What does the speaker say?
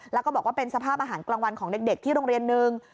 แล้วก็บอกว่าเป็นสภาพอาหารกลางวันของเด็กที่โรงเรียนนึง